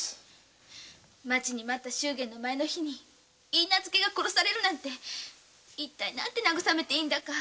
待ちに待った祝言の前日に許嫁が殺されるなんて。なんて慰めたらいいんだか。